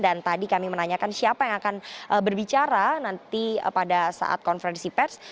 dan tadi kami menanyakan siapa yang akan berbicara nanti pada saat konferensi pers